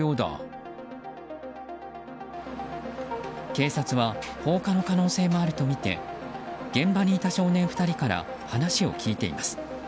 警察は放火の可能性もあるとみて現場にいた少年２人から話を聞いています。